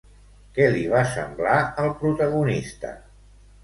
Què li va semblar al protagonista?